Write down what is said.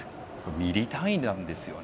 ミリ単位なんですよね。